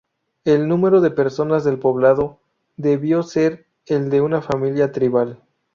El número de personas del poblado debió ser el de una familia tribal.